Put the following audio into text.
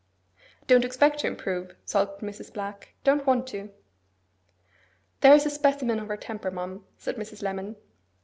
'Don't expect to improve,' sulked Mrs. Black. 'Don't want to.' 'There is a specimen of her temper, ma'am,' said Mrs. Lemon.